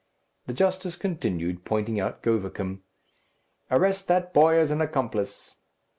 The justice continued, pointing out Govicum, "Arrest that boy as an accomplice."